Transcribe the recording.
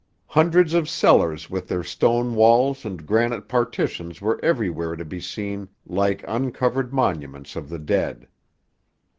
Hundreds of cellars with their stone walls and granite partitions were everywhere to be seen like uncovered monuments of the dead.